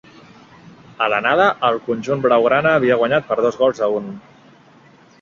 A l’anada el conjunt blaugrana havia guanyat per dos gols a un.